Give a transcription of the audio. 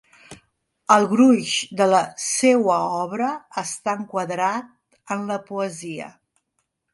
El gruix de la seua obra està enquadrat en la poesia.